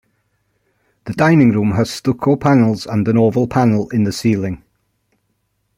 The dining room has stucco panels and an oval panel in the ceiling.